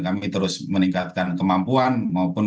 kami terus meningkatkan kemampuan maupun